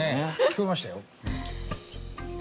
聞こえましたよ。